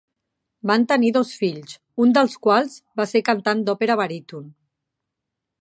Van tenir dos fills, un dels quals va ser cantant d'òpera baríton.